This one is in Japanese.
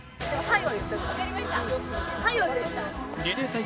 はい！